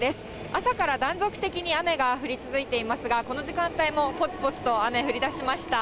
朝から断続的に雨が降り続いていますが、この時間帯も、ぽつぽつと雨、降りだしました。